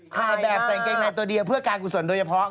ถ่ายแบบใส่กางเกงในตัวเดียวเพื่อการกุศลโดยเฉพาะ